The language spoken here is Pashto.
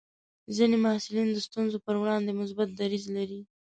ځینې محصلین د ستونزو پر وړاندې مثبت دریځ لري.